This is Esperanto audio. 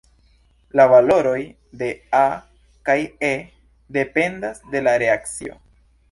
La valoroj de "A" kaj "E" dependas de la reakcio.